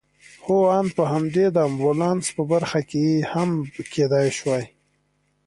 هو آن په همدې د امبولانس په برخه کې هم کېدای شوای.